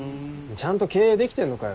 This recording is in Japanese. ちゃんと経営できてんのかよ。